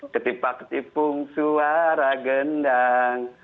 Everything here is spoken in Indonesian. ketipa ketipung suara gendang